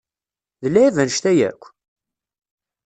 D lɛib annect-a yakk?